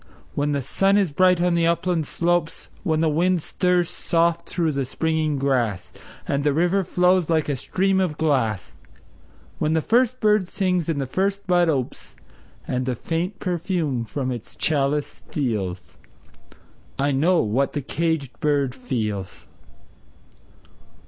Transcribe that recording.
When the sun is bright on the upland slopes; When the wind stirs soft through the springing grass, And the river flows like a stream of glass; When the first bird sings and the first bud opes, And the faint perfume from its chalice steals I know what the caged bird feels!